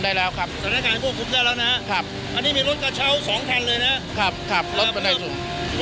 สถานการณ์ข้อมูล